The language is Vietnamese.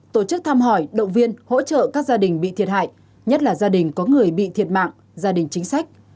tổ chức thăm hỏi động viên hỗ trợ các gia đình bị thiệt hại nhất là gia đình có người bị thiệt mạng gia đình chính sách